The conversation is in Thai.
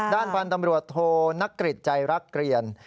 ด้านพันธ์ตำรวจโทนักกฤษใจรักเกลียน